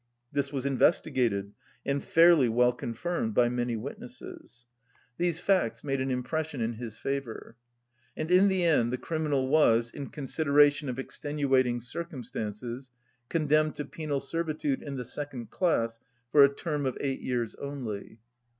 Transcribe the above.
This was investigated and fairly well confirmed by many witnesses. These facts made an impression in his favour. And in the end the criminal was, in consideration of extenuating circumstances, condemned to penal servitude in the second class for a term of eight years only.